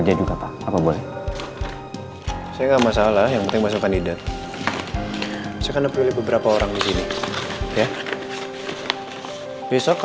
gak boleh sampai terluka